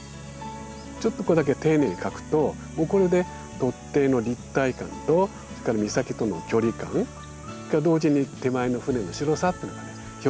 ちょっとこれだけ丁寧に描くともうこれで突堤の立体感とそれから岬との距離感それから同時に手前の船の白さっていうのがね表現できると。